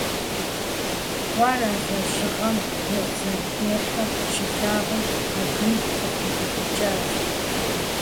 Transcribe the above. Къуэр, а лэжьыгъэм гугъу зэрыдехьыр щилъагъум, Бэдын къыпыгуфӀыкӀащ.